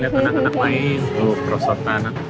lihat anak anak main tuh prosotan